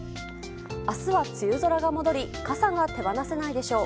明日は梅雨空が戻り傘が手放せないでしょう。